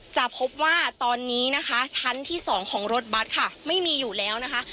จะพบว่าตอนนี้นะคะชั้นที่๒ของรถบัตรค่ะไม่มีอยู่แล้วนะคะ